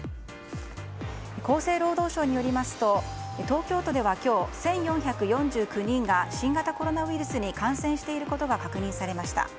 厚生労働省によりますと東京都では今日１４４９人が新型コロナウイルスに感染していることが確認されました。